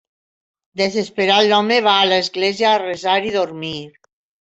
Desesperat, l'home va a l'església a resar i dormir.